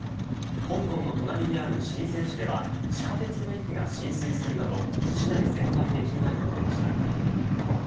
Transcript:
香港の隣にあるシンセン市では地下鉄の駅が浸水するなど市内全体で被害が出ました。